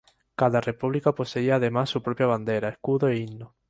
Cada república poseía además su propia bandera, escudo e himno.